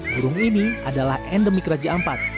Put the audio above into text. burung ini adalah endemik raja ampat